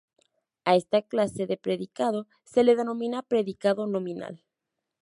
A esta clase de predicado se le denomina predicado nominal.